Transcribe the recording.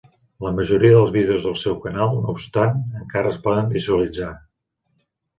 La majoria dels vídeos del seu canal, no obstant, encara es poden visualitzar.